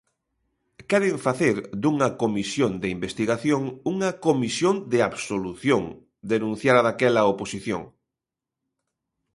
Queren facer dunha comisión de investigación unha comisión de absolución, denunciara daquela a oposición.